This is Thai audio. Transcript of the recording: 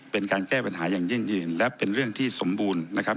เป็นการแก้ปัญหาอย่างยิ่งยืนและเป็นเรื่องที่สมบูรณ์นะครับ